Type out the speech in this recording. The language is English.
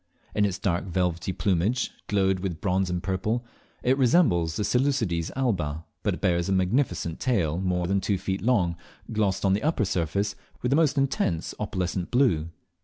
In its dark velvety plumage, glowed with bronze and purple, it resembles the Seleucides alba, but it bears a magnificent tail more than two feet long, glossed on the upper surface with the most intense opalescent blue.